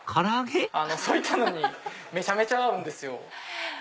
そういったのにめちゃめちゃ合うんですよ。